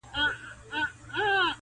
تلي مي سوځي په غرمو ولاړه یمه!.